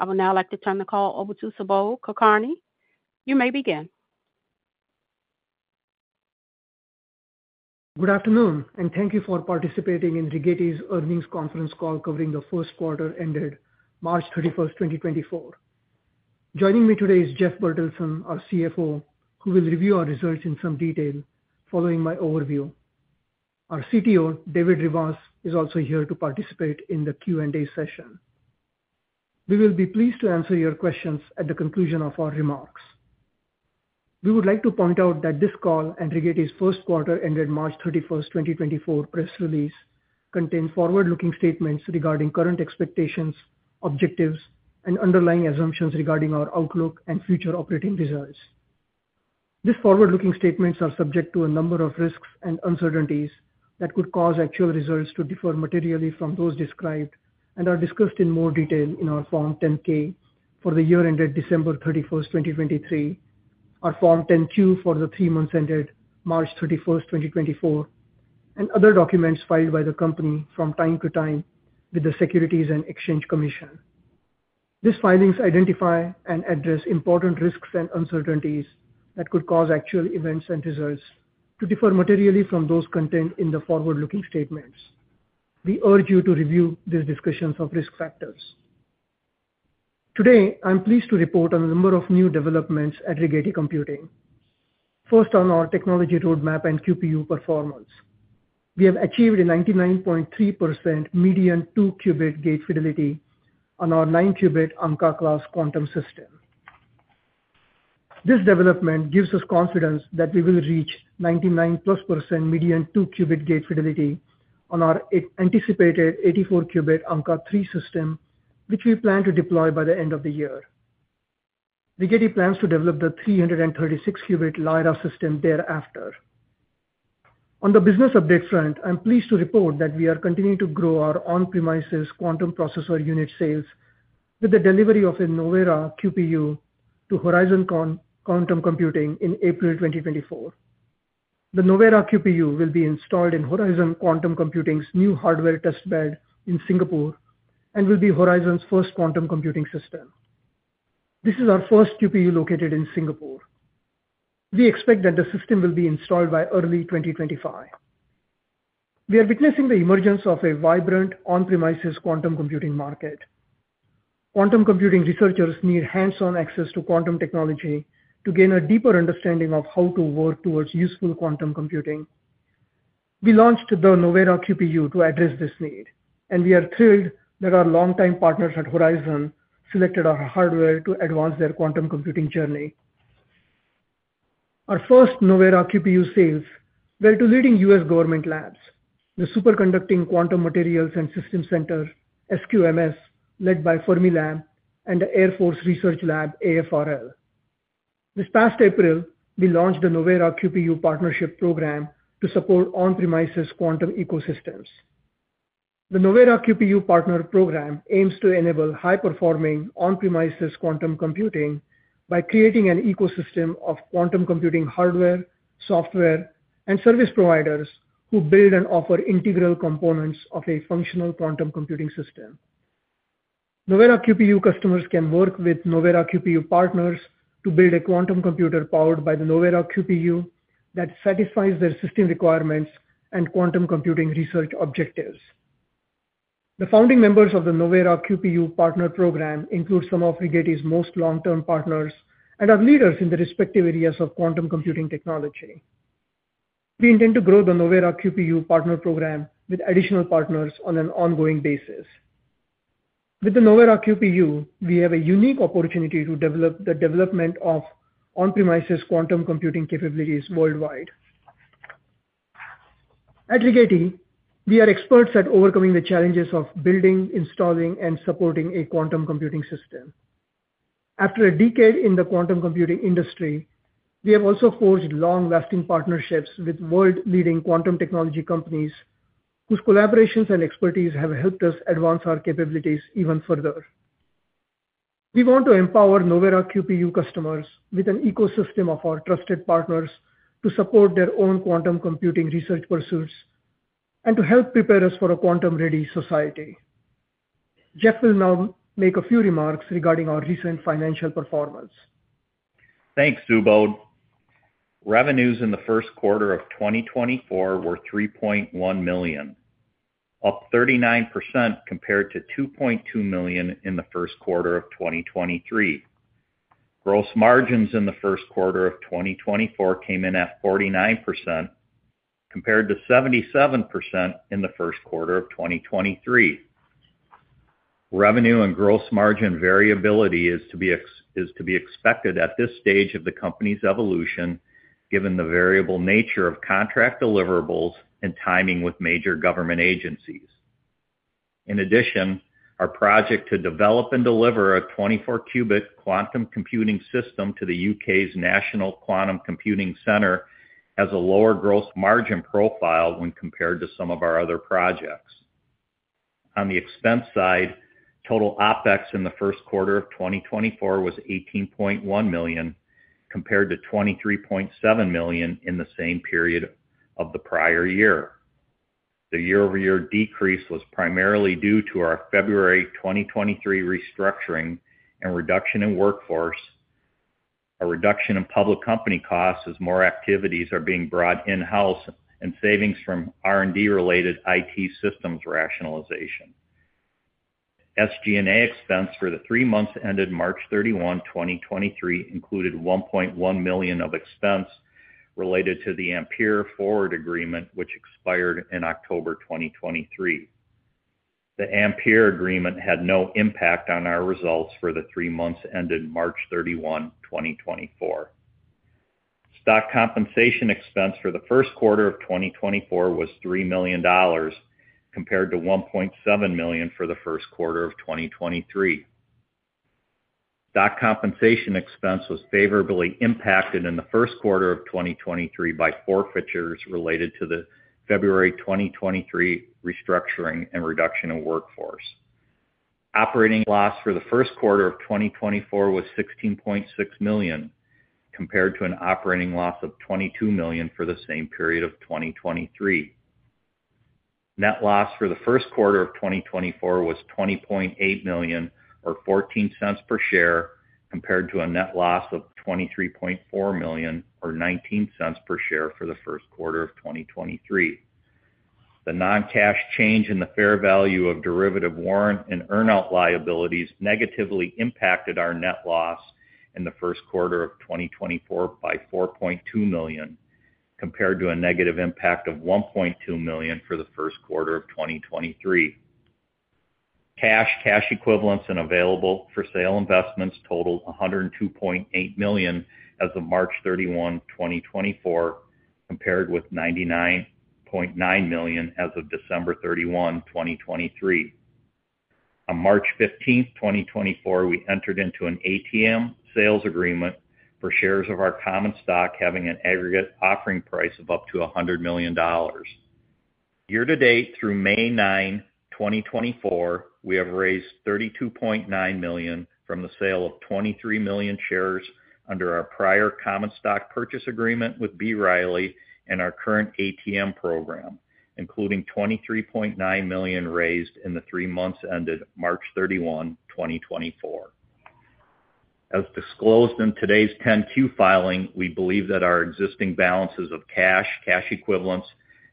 I would now like to turn the call over to Subodh Kulkarni. You may begin. Good afternoon, and thank you for participating in Rigetti's Earnings Conference Call covering the first quarter ended March 31, 2024. Joining me today is Jeff Bertelsen, our CFO, who will review our results in some detail following my overview. Our CTO, David Rivas, is also here to participate in the Q&A session. We will be pleased to answer your questions at the conclusion of our remarks. We would like to point out that this call and Rigetti's first quarter ended March 31st, 2024 press release contains forward-looking statements regarding current expectations, objectives, and underlying assumptions regarding our outlook and future operating results. These forward-looking statements are subject to a number of risks and uncertainties that could cause actual results to differ materially from those described and are discussed in more detail in our Form 10-K for the year ended December 31st, 2023, our Form 10-Q for the three months ended March 31st, 2024, and other documents filed by the company from time to time with the Securities and Exchange Commission. These filings identify and address important risks and uncertainties that could cause actual events and results to differ materially from those contained in the forward-looking statements. We urge you to review these discussions of risk factors. Today, I'm pleased to report on a number of new developments at Rigetti Computing. First, on our technology roadmap and QPU performance. We have achieved a 99.3% median 2-qubit gate fidelity on our 9-qubit Ankaa-class quantum system. This development gives us confidence that we will reach 99+% median two-qubit gate fidelity on our anticipated 84-qubit Ankaa-3 system, which we plan to deploy by the end of the year. Rigetti plans to develop the 336-qubit Lyra system thereafter. On the business update front, I'm pleased to report that we are continuing to grow our on-premises quantum processing unit sales with the delivery of a Novera QPU to Horizon Quantum Computing in April 2024. The Novera QPU will be installed in Horizon Quantum Computing's new hardware test bed in Singapore and will be Horizon's first quantum computing system. This is our first QPU located in Singapore. We expect that the system will be installed by early 2025. We are witnessing the emergence of a vibrant on-premises quantum computing market. Quantum computing researchers need hands-on access to quantum technology to gain a deeper understanding of how to work towards useful quantum computing. We launched the Novera QPU to address this need, and we are thrilled that our longtime partners at Horizon selected our hardware to advance their quantum computing journey. Our first Novera QPU sales were to leading U.S. government labs, the Superconducting Quantum Materials and Systems Center, SQMS, led by Fermilab and the Air Force Research Laboratory, AFRL. This past April, we launched the Novera QPU Partnership Program to support on-premises quantum ecosystems. The Novera QPU Partner Program aims to enable high-performing on-premises quantum computing by creating an ecosystem of quantum computing hardware, software, and service providers who build and offer integral components of a functional quantum computing system. Novera QPU customers can work with Novera QPU partners to build a quantum computer powered by the Novera QPU that satisfies their system requirements and quantum computing research objectives. The founding members of the Novera QPU Partner Program includes some of Rigetti's most long-term partners and are leaders in the respective areas of quantum computing technology. We intend to grow the Novera QPU Partner Program with additional partners on an ongoing basis. With the Novera QPU, we have a unique opportunity to develop the development of on-premises quantum computing capabilities worldwide. At Rigetti, we are experts at overcoming the challenges of building, installing, and supporting a quantum computing system. After a decade in the quantum computing industry, we have also forged long-lasting partnerships with world-leading quantum technology companies, whose collaborations and expertise have helped us advance our capabilities even further. We want to empower Novera QPU customers with an ecosystem of our trusted partners to support their own quantum computing research pursuits and to help prepare us for a quantum-ready society. Jeff will now make a few remarks regarding our recent financial performance. Thanks, Subodh. Revenues in the first quarter of 2024 were $3.1 million, up 39% compared to $2.2 million in the first quarter of 2023. Gross margins in the first quarter of 2024 came in at 49%, compared to 77% in the first quarter of 2023. Revenue and gross margin variability is to be expected at this stage of the company's evolution, given the variable nature of contract deliverables and timing with major government agencies. In addition, our project to develop and deliver a 24-qubit quantum computing system to the UK's National Quantum Computing Centre has a lower gross margin profile when compared to some of our other projects. On the expense side, total OpEx in the first quarter of 2024 was $18.1 million, compared to $23.7 million in the same period of the prior year. The year-over-year decrease was primarily due to our February 2023 restructuring and reduction in workforce, a reduction in public company costs as more activities are being brought in-house, and savings from R&D-related IT systems rationalization. SG&A expense for the three months ended March 31, 2023, included $1.1 million of expense related to the Ampere forward agreement, which expired in October 2023. The Ampere agreement had no impact on our results for the three months ended March 31, 2024. Stock compensation expense for the first quarter of 2024 was $3 million, compared to $1.7 million for the first quarter of 2023. Stock compensation expense was favorably impacted in the first quarter of 2023 by forfeitures related to the February 2023 restructuring and reduction in workforce. Operating loss for the first quarter of 2024 was $16.6 million, compared to an operating loss of $22 million for the same period of 2023. Net loss for the first quarter of 2024 was $20.8 million, or $0.14 per share, compared to a net loss of $23.4 million, or $0.19 per share for the first quarter of 2023. The non-cash change in the fair value of derivative warrant and earn-out liabilities negatively impacted our net loss in the first quarter of 2024 by $4.2 million, compared to a negative impact of $1.2 million for the first quarter of 2023. Cash, cash equivalents, and available for sale investments totaled $102.8 million as of March 31, 2024, compared with $99.9 million as of December 31, 2023. On March 15th, 2024, we entered into an ATM sales agreement for shares of our common stock, having an aggregate offering price of up to $100 million. Year to date, through May 9, 2024, we have raised $32.9 million from the sale of 23 million shares under our prior common stock purchase agreement with B. Riley and our current ATM program, including $23.9 million raised in the three months ended March 31, 2024. As disclosed in today's 10-Q filing, we believe that our existing balances of cash, cash equivalents,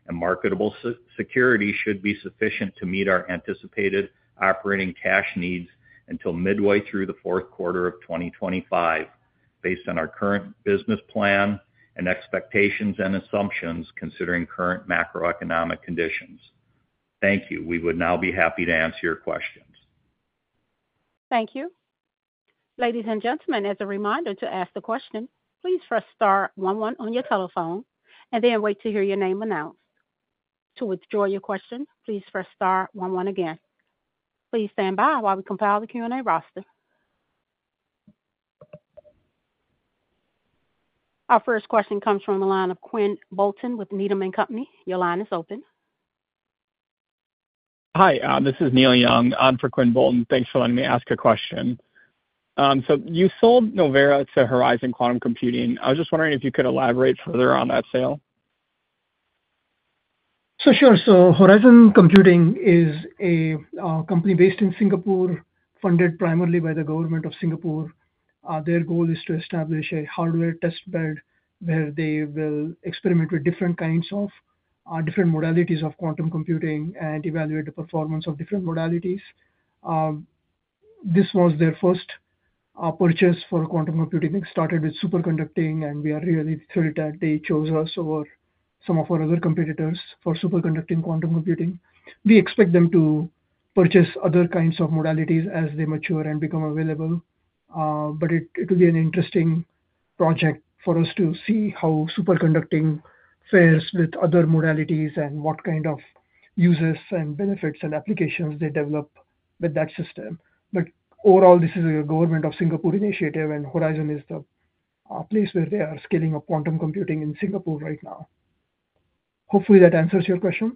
and marketable securities should be sufficient to meet our anticipated operating cash needs until midway through the fourth quarter of 2025, based on our current business plan and expectations and assumptions, considering current macroeconomic conditions. Thank you. We would now be happy to answer your questions. Thank you. Ladies and gentlemen, as a reminder to ask the question, please press star one one on your telephone and then wait to hear your name announced. To withdraw your question, please press star one one again. Please stand by while we compile the Q&A roster. Our first question comes from the line of Quinn Bolton with Needham & Company. Your line is open. Hi, this is Neil Young, for Quinn Bolton. Thanks for letting me ask a question. So you sold Novera to Horizon Quantum Computing. I was just wondering if you could elaborate further on that sale? So sure. So Horizon Quantum Computing is a company based in Singapore, funded primarily by the government of Singapore. Their goal is to establish a hardware test bed, where they will experiment with different kinds of different modalities of quantum computing and evaluate the performance of different modalities. This was their first purchase for quantum computing. It started with superconducting, and we are really thrilled that they chose us over some of our other competitors for superconducting quantum computing. We expect them to purchase other kinds of modalities as they mature and become available. But it will be an interesting project for us to see how superconducting fares with other modalities and what kind of uses and benefits and applications they develop with that system. But overall, this is a government of Singapore initiative, and Horizon is the place where they are scaling up quantum computing in Singapore right now. Hopefully, that answers your question.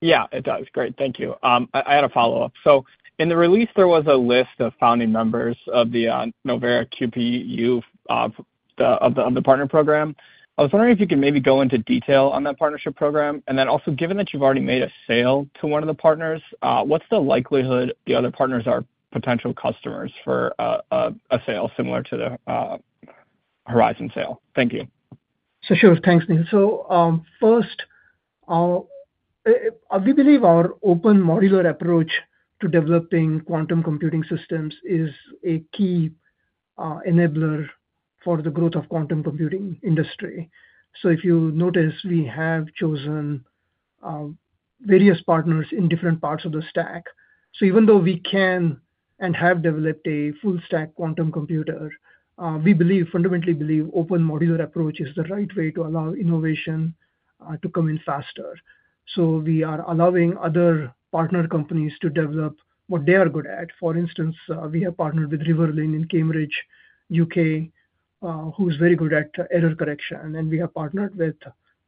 Yeah, it does. Great. Thank you. I had a follow-up. So in the release, there was a list of founding members of the Novera QPU of the partner program. I was wondering if you could maybe go into detail on that partnership program. And then also, given that you've already made a sale to one of the partners, what's the likelihood the other partners are potential customers for a sale similar to the Horizon sale? Thank you. So sure. Thanks, Neil. So, first, we believe our open modular approach to developing quantum computing systems is a key enabler for the growth of quantum computing industry. So if you notice, we have chosen various partners in different parts of the stack. So even though we can and have developed a full stack quantum computer, we believe, fundamentally believe open modular approach is the right way to allow innovation to come in faster. So we are allowing other partner companies to develop what they are good at. For instance, we have partnered with Riverlane in Cambridge, U.K., who's very good at error correction. And we have partnered with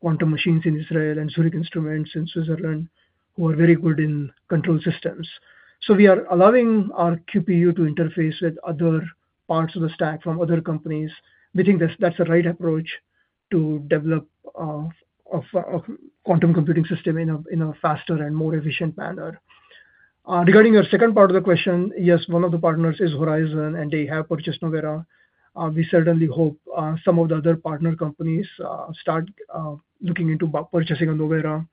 Quantum Machines in Israel and Zurich Instruments in Switzerland, who are very good in control systems. So we are allowing our QPU to interface with other... ...parts of the stack from other companies. We think that's the right approach to develop of quantum computing system in a faster and more efficient manner. Regarding your second part of the question, yes, one of the partners is Horizon, and they have purchased Novera. We certainly hope some of the other partner companies start looking into purchasing a Novera.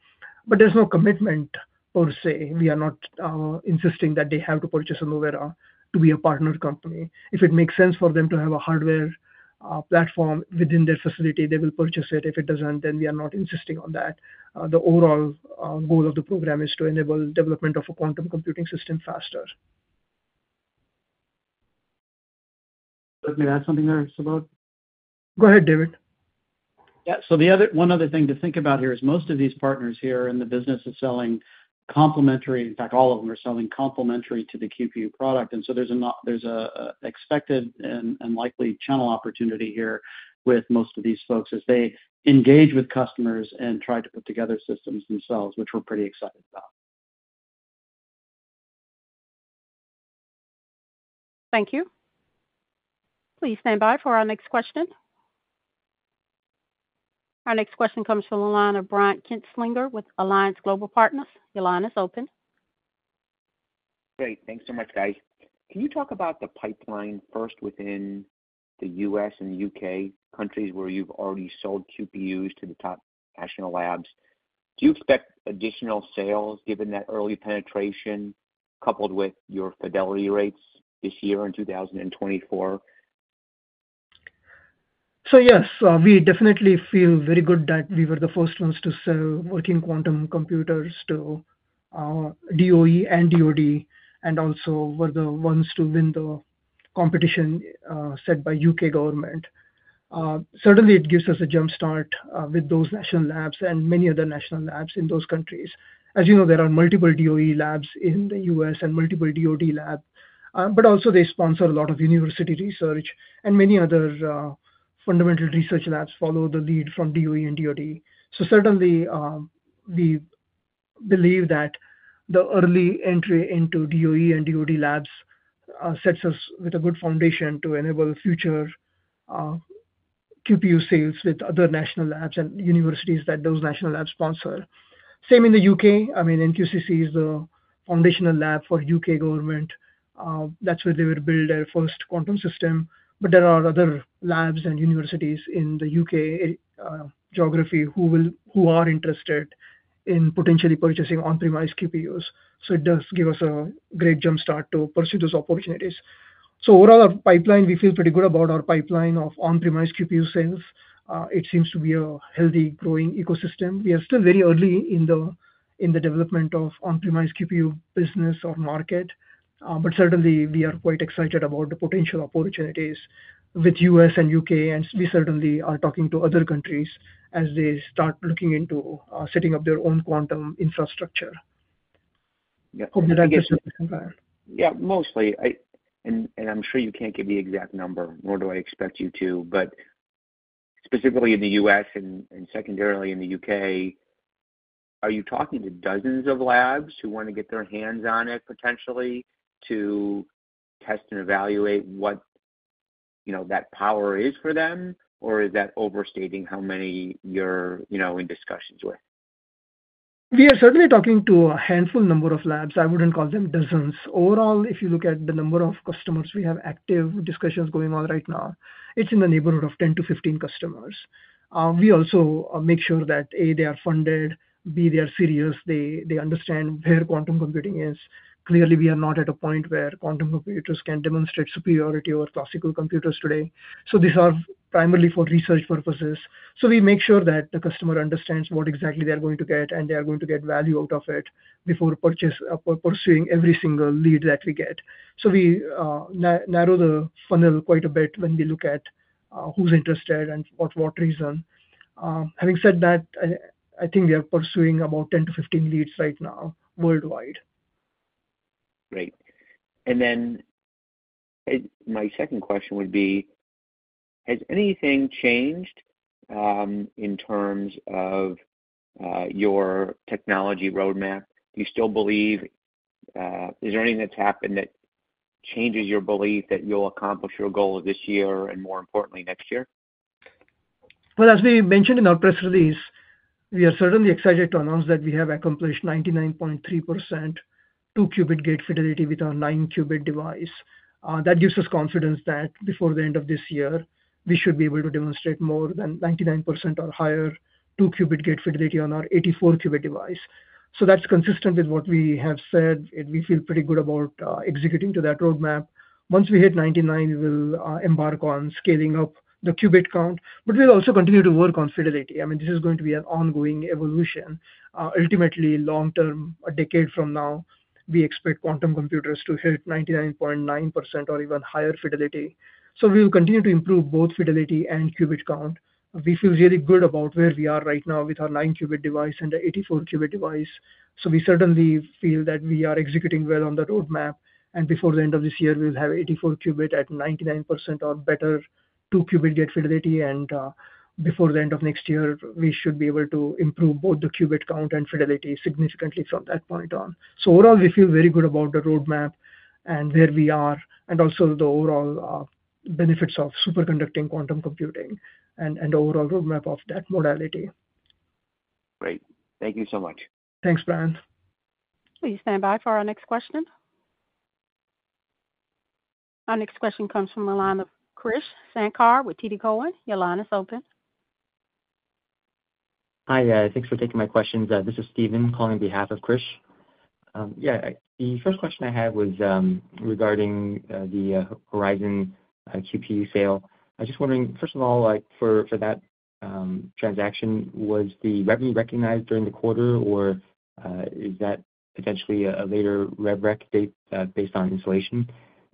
But there's no commitment per se. We are not insisting that they have to purchase a Novera to be a partner company. If it makes sense for them to have a hardware platform within their facility, they will purchase it. If it doesn't, then we are not insisting on that. The overall goal of the program is to enable development of a quantum computing system faster. Let me add something there, Subodh? Go ahead, David. Yeah. So the other one other thing to think about here is most of these partners here are in the business of selling complementary, in fact all of them are selling complementary to the QPU product, and so there's a expected and likely channel opportunity here with most of these folks as they engage with customers and try to put together systems themselves, which we're pretty excited about. Thank you. Please stand by for our next question. Our next question comes from the line of Brian Kinstlinger with Alliance Global Partners. Your line is open. Great. Thanks so much, guys. Can you talk about the pipeline first within the U.S. and the U.K., countries where you've already sold QPUs to the top national labs? Do you expect additional sales given that early penetration, coupled with your fidelity rates this year in 2024? So yes, we definitely feel very good that we were the first ones to sell working quantum computers to, DOE and DoD, and also were the ones to win the competition, set by U.K. government. Certainly it gives us a jump start, with those national labs and many other national labs in those countries. As you know, there are multiple DOE labs in the U.S. and multiple DoD lab, but also they sponsor a lot of university research and many other, fundamental research labs follow the lead from DOE and DoD. So certainly, we believe that the early entry into DOE and DoD labs, sets us with a good foundation to enable future, QPU sales with other national labs and universities that those national labs sponsor. Same in the U.K. I mean, NQCC is the foundational lab for U.K. government. That's where they will build their first quantum system. But there are other labs and universities in the U.K. geography, who are interested in potentially purchasing on-premise QPUs. So it does give us a great jump start to pursue those opportunities. So overall, our pipeline, we feel pretty good about our pipeline of on-premise QPU sales. It seems to be a healthy, growing ecosystem. We are still very early in the development of on-premise QPU business or market, but certainly we are quite excited about the potential opportunities with U.S. and U.K., and we certainly are talking to other countries as they start looking into setting up their own quantum infrastructure. Yeah. Hope that I answered your question. Yeah, mostly. And I'm sure you can't give the exact number, nor do I expect you to, but specifically in the U.S. and secondarily in the U.K., are you talking to dozens of labs who want to get their hands on it potentially to test and evaluate what, you know, that power is for them? Or is that overstating how many you're, you know, in discussions with? We are certainly talking to a handful number of labs. I wouldn't call them dozens. Overall, if you look at the number of customers, we have active discussions going on right now, it's in the neighborhood of 10 to 15 customers. We also make sure that, A, they are funded, B, they are serious, they understand where quantum computing is. Clearly, we are not at a point where quantum computers can demonstrate superiority over classical computers today, so these are primarily for research purposes. So we make sure that the customer understands what exactly they are going to get, and they are going to get value out of it before purchase, or pursuing every single lead that we get. So we narrow the funnel quite a bit when we look at who's interested and for what reason. Having said that, I think we are pursuing about 10 to 15 leads right now worldwide. Great. My second question would be: Has anything changed, in terms of, your technology roadmap? Do you still believe... Is there anything that's happened that changes your belief that you'll accomplish your goal this year and more importantly, next year? Well, as we mentioned in our press release, we are certainly excited to announce that we have accomplished 99.3% two-qubit gate fidelity with our nine-qubit device. That gives us confidence that before the end of this year, we should be able to demonstrate more than 99% or higher two-qubit gate fidelity on our 84-qubit device. So that's consistent with what we have said, and we feel pretty good about executing to that roadmap. Once we hit 99, we will embark on scaling up the qubit count, but we'll also continue to work on fidelity. I mean, this is going to be an ongoing evolution. Ultimately, long term, a decade from now, we expect quantum computers to hit 99.9% or even higher fidelity. So we will continue to improve both fidelity and qubit count. We feel really good about where we are right now with our nine-qubit device and the 84-qubit device. So we certainly feel that we are executing well on the roadmap, and before the end of this year, we'll have 84-qubit at 99% or better two-qubit gate fidelity, and, before the end of next year, we should be able to improve both the qubit count and fidelity significantly from that point on. So overall, we feel very good about the roadmap and where we are and also the overall, benefits of superconducting quantum computing and, and the overall roadmap of that modality. Great. Thank you so much. Thanks, Brian. Please stand by for our next question. Our next question comes from the line of Krish Sankar with TD Cowen. Your line is open. Hi, thanks for taking my questions. This is Steven calling on behalf of Krish. Yeah, the first question I had was regarding the Horizon QPU sale. I was just wondering, first of all, like, for that transaction, was the revenue recognized during the quarter, or is that potentially a later rev rec date based on installation?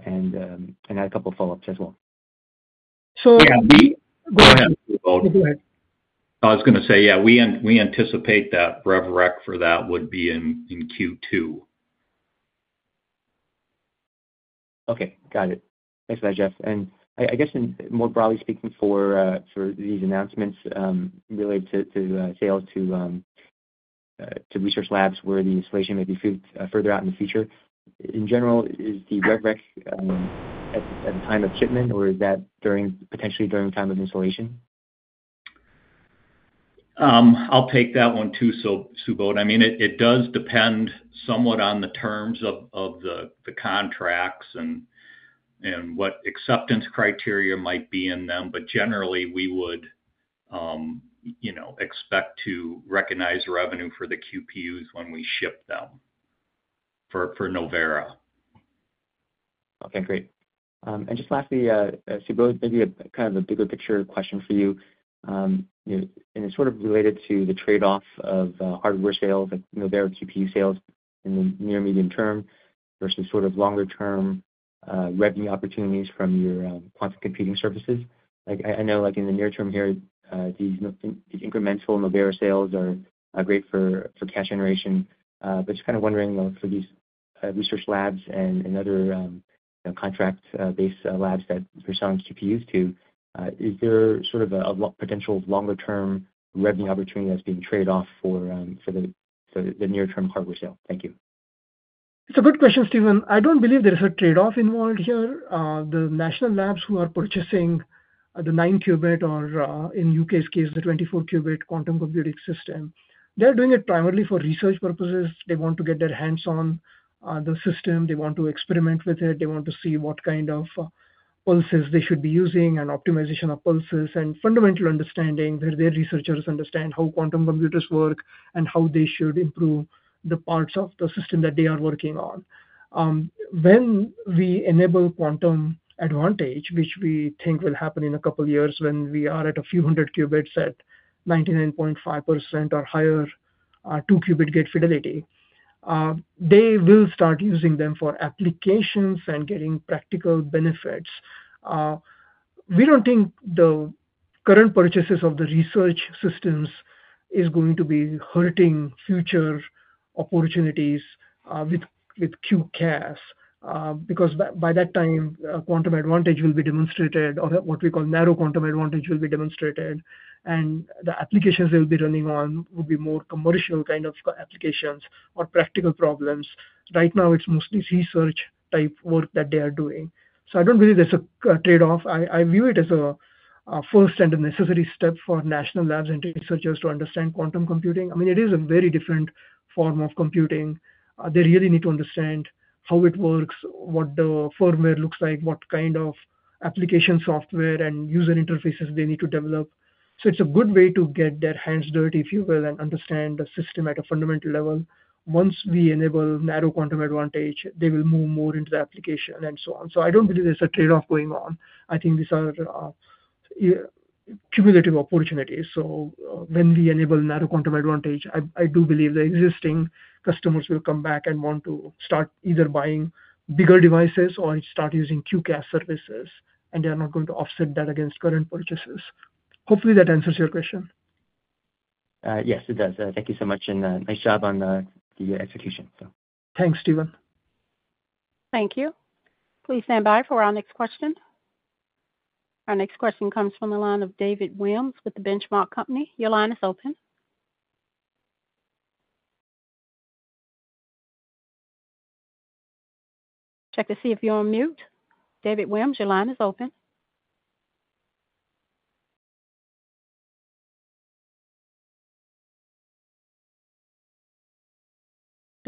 And I had a couple of follow-ups as well. So- Yeah, we... Go ahead, Subodh. I was gonna say, yeah, we anticipate that rev rec for that would be in Q2. Okay. Got it. Thanks for that, Jeff. And I guess, more broadly speaking, for these announcements related to sales to research labs where the installation may be further out in the future, in general, is the Rev Rec at the time of shipment, or is that during, potentially during time of installation? I'll take that one, too, Subodh. I mean, it does depend somewhat on the terms of the contracts and what acceptance criteria might be in them, but generally, we would, you know, expect to recognize revenue for the QPUs when we ship them for Novera. Okay, great. Just lastly, Subodh, maybe a kind of a bigger picture question for you. It's sort of related to the trade-off of hardware sales and Novera QPU sales in the near medium term versus sort of longer term revenue opportunities from your quantum computing services. Like I know, like, in the near term here, these incremental Novera sales are great for cash generation. But just kind of wondering, like, for these research labs and other, you know, contract-based labs that purchase QPUs too, is there sort of a potential longer term revenue opportunity that's being traded off for the near term hardware sale? Thank you. It's a good question, Steven. I don't believe there is a trade-off involved here. The national labs who are purchasing the nine-qubit, in U.K.'s case, the 24-qubit quantum computing system, they're doing it primarily for research purposes. They want to get their hands on the system. They want to experiment with it. They want to see what kind of pulses they should be using and optimization of pulses and fundamental understanding, where their researchers understand how quantum computers work and how they should improve the parts of the system that they are working on. When we enable quantum advantage, which we think will happen in a couple of years, when we are at a few hundred qubits at 99.5% or higher, two-qubit gate fidelity, they will start using them for applications and getting practical benefits. We don't think the current purchases of the research systems is going to be hurting future opportunities with QCaaS, because by that time, quantum advantage will be demonstrated or what we call narrow quantum advantage will be demonstrated, and the applications they'll be running on will be more commercial kind of applications or practical problems. Right now, it's mostly research-type work that they are doing. So I don't believe there's a trade-off. I view it as a first and a necessary step for national labs and researchers to understand quantum computing. I mean, it is a very different form of computing. They really need to understand how it works, what the firmware looks like, what kind of application software and user interfaces they need to develop. So it's a good way to get their hands dirty, if you will, and understand the system at a fundamental level. Once we enable Narrow Quantum Advantage, they will move more into the application and so on. So I don't believe there's a trade-off going on. I think these are cumulative opportunities. So, when we enable Narrow Quantum Advantage, I do believe the existing customers will come back and want to start either buying bigger devices or start using QCAS services, and they are not going to offset that against current purchases. Hopefully, that answers your question. Yes, it does. Thank you so much, and nice job on the execution, so. Thanks, Steven. Thank you. Please stand by for our next question. Our next question comes from the line of David Williams with the Benchmark Company. Your line is open. Check to see if you're on mute. David Williams, your line is open.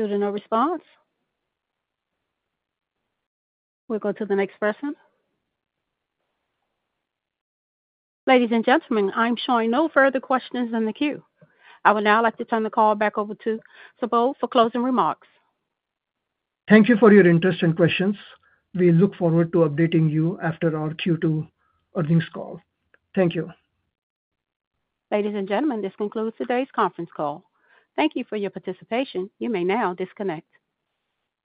There is no response. We'll go to the next question. Ladies and gentlemen, I'm showing no further questions in the queue. I would now like to turn the call back over to Subodh for closing remarks. Thank you for your interest and questions. We look forward to updating you after our Q2 earnings call. Thank you. Ladies and gentlemen, this concludes today's conference call. Thank you for your participation. You may now disconnect.